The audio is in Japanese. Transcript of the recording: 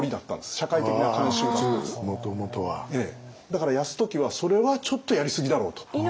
だから泰時はそれはちょっとやりすぎだろうと。